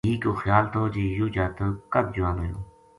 دھی کو خیال تھو جی یوہ جاتک کد جوان ہویو